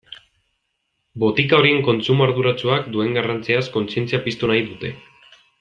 Botika horien kontsumo arduratsuak duen garrantziaz kontzientzia piztu nahi dute.